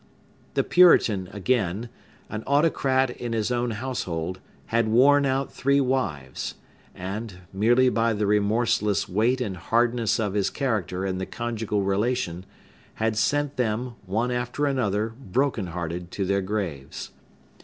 The Puritan, again, an autocrat in his own household, had worn out three wives, and, merely by the remorseless weight and hardness of his character in the conjugal relation, had sent them, one after another, broken hearted, to their graves.